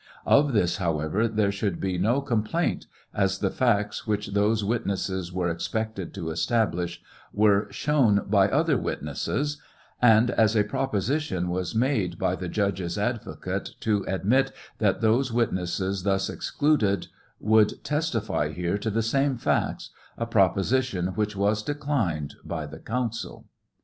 Of this, however, there should be no com plaint, as the facts which those witnesses were expected to establish were shown by other witnesses, and as a proposition was made by the judges advocate to admit that those witnesses thus excluded would testify here to the same facts, a proposition which was declined by the counsel.